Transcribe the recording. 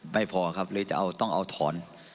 ไม่พอครับเลยต้องเอาถอน